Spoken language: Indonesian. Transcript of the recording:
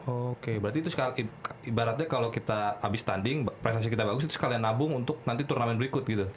oke berarti itu ibaratnya kalau kita habis tanding prestasi kita bagus itu sekalian nabung untuk nanti turnamen berikut gitu